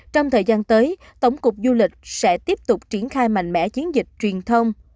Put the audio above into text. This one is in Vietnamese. trong thời gian tới tổng cục du lịch sẽ tiếp tục triển khai mạnh mẽ chiến dịch truyền thông